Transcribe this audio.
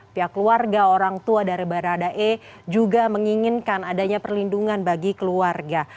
pihak keluarga orang tua dari baradae juga menginginkan adanya perlindungan bagi keluarga